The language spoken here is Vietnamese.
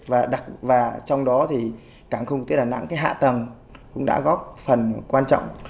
và trong đó thì cảng không quốc tế đà nẵng cái hạ tầng cũng đã góp phần quan trọng